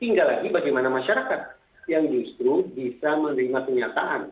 tinggal lagi bagaimana masyarakat yang justru bisa menerima kenyataan